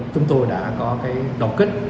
chúng tôi đã có cái đột kích